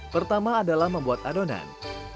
pertama adalah membuat adonan